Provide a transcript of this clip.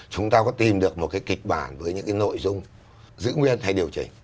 chúng ta có tìm được một cái kịch bản với những cái nội dung giữ nguyên hay điều chỉnh